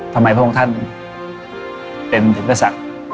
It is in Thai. ทำไมพวกท่านเป็นผู้สัตว์